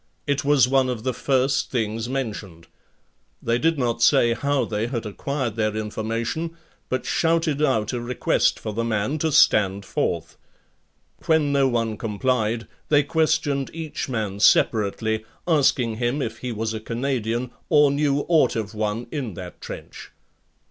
It was one of the first things mentioned. They did not say how they had acquired their information, but shouted out a request for the man to stand forth. When no one complied, they questioned each man separately, asking him if he was a Canadian or knew aught of one in that trench.